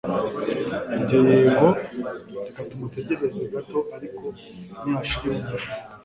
Njye yego reka tumutegereze gato ariko nihashira iminota